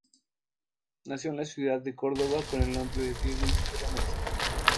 Nació en la ciudad de Córdoba con el nombre de Diego Isidro Mesa.